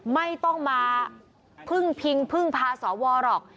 ไม่ต้องมาพึ่งพิงพึ่งพาสวหรอก